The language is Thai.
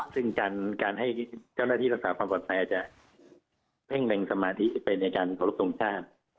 ซึ่งการให้เจ้าหน้าที่รักษาความปลอดภัยอาจจะเพ่งเล็งสมาธิไปในการขอรบทรงชาติ